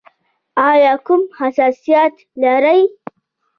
ایا کوم حساسیت لرئ؟